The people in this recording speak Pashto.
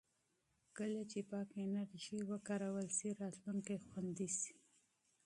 کله چې پاکه انرژي وکارول شي، راتلونکی خوندي شي.